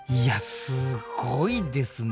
すごいですね。